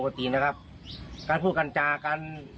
ก็เลยอยากให้หมอปลาเข้ามาช่วยหน่อยค่ะ